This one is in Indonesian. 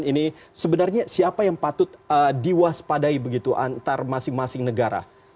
ini sebenarnya siapa yang patut diwaspadai begitu antar masing masing negara